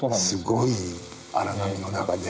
すごい荒波の中で。